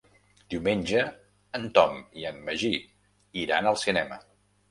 Diumenge en Tom i en Magí iran al cinema.